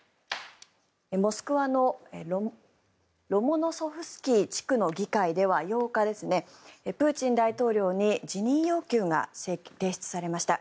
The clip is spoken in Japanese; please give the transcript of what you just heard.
モスクワのロモノフスキー地区の議会では８日、プーチン大統領に辞任要求が提出されました。